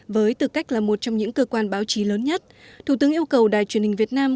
với tư cách là một trong những cơ quan báo chí lớn nhất thủ tướng yêu cầu đài truyền hình việt nam